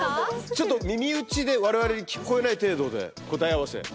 ちょっと耳打ちで、われわれに聞こえない程度で答え合わせ。